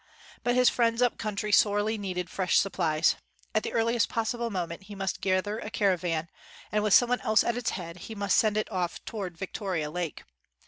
But his friends up country sorely needed fresh supplies. At the earliest possible mo ment, he must gather a caravan and, with some one else at its head, he must send it off toward Victoria Lake.